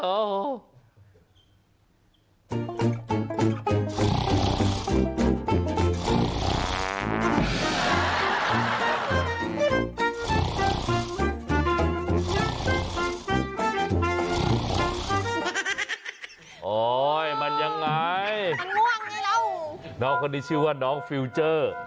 โอ๊ยมันยังไงน้องคนนี้ชื่อว่าน้องฟิลเจอร์